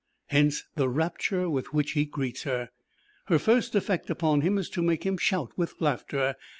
Hence the rapture with which he greets her. Her first effect upon him is to make him shout with laughter.